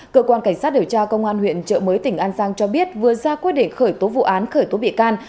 cơ quan cảnh sát điều tra công an huyện trợ mới tỉnh an giang cho biết vừa ra quyết định khởi tố vụ án khởi tố bị can